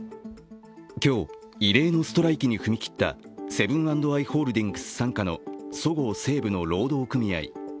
今日、異例のストライキに踏み切ったセブン＆アイ・ホールディングス傘下のそごう・西武の労働組合。